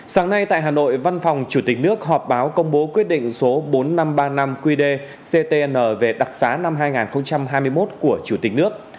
sáng nay tại hà nội văn phòng chủ tịch nước họp báo công bố quyết định số bốn nghìn năm trăm ba mươi năm qd ctn về đặc xá năm hai nghìn hai mươi một của chủ tịch nước